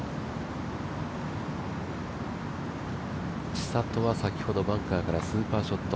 千怜は先ほどバンカーからスーパーショット。